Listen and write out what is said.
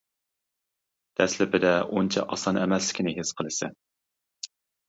دەسلىپىدە ئۇنچە ئاسان ئەمەسلىكىنى ھېس قىلىسەن.